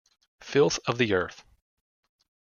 Filth of the earth!